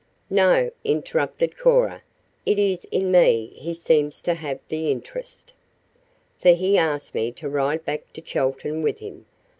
"No," interrupted Cora. "It is in me he seems to have the interest, for he asked me to ride back to Chelton with him.